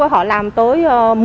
họ làm tới